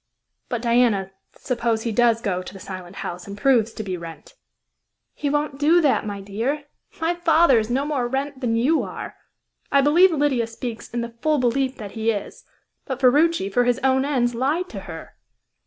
"But, Diana, suppose he does go to the Silent House, and proves to be Wrent?" "He won't do that, my dear. My father is no more Wrent than you are. I believe Lydia speaks in the full belief that he is; but Ferruci, for his own ends, lied to her.